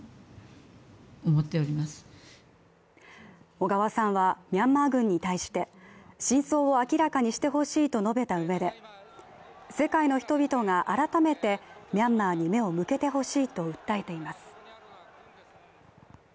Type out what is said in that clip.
小川さんは、ミャンマー軍に対して真相を明らかにしてほしいと述べたうえで世界の人々が改めてミャンマーに目を向けてほしいと訴えています